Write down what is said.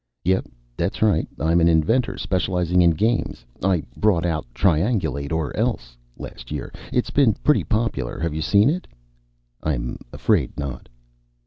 _) "Yep, that's right. I'm an inventor specializing in games. I brought out Triangulate Or Else! last year. It's been pretty popular. Have you seen it?" "I'm afraid not."